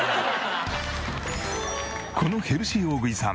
このヘルシー大食いさん